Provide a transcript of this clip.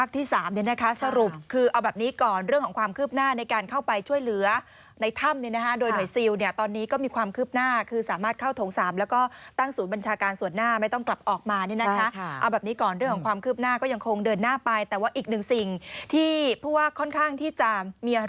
สรุปคือเอาแบบนี้ก่อนเรื่องของความคืบหน้าในการเข้าไปช่วยเหลือในถ้ำเนี่ยนะคะโดยหน่วยซิลเนี่ยตอนนี้ก็มีความคืบหน้าคือสามารถเข้าโถง๓แล้วก็ตั้งศูนย์บัญชาการส่วนหน้าไม่ต้องกลับออกมาเนี่ยนะคะเอาแบบนี้ก่อนเรื่องของความคืบหน้าก็ยังคงเดินหน้าไปแต่ว่าอีกหนึ่งสิ่งที่ผู้ว่าค่อนข้างที่จะมี